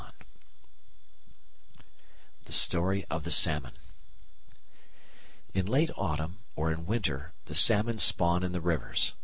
] The Story of the Salmon In late autumn or in winter the salmon spawn in the rivers.